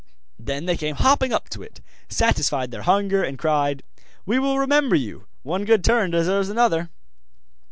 Then they came hopping up to it, satisfied their hunger, and cried: 'We will remember you one good turn deserves another!